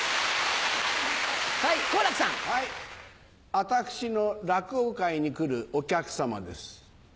私の落語会に来るお客さまです。